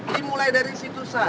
dimulai dari situ saja